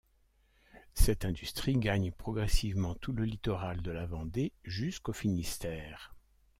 Cette industrie gagne progressivement tout le littoral de la Vendée jusqu'au Finistère.